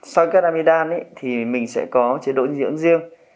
sau các amidam thì mình sẽ có chế độ dưỡng riêng